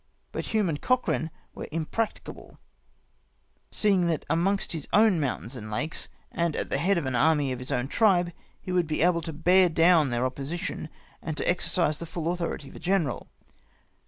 But Hume and Cochrane were imprac ticable, seeing that amongst his own mountains and lakes, and at the head of an army of his own tribe, he would be able to bear down their opposition, and to exercise the full au thority of a general.